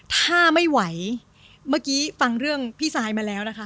ถ้าไม่ไหวเมื่อกี้ฟังเรื่องพี่ซายมาแล้วนะคะ